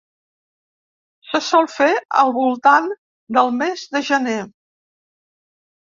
Se sol fer al voltant del mes de gener.